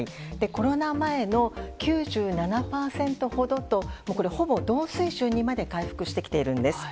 コロナ前の９７％ほどとほぼ同水準にまで回復してきているんです。